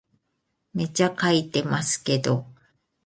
めっちゃ書いてますけど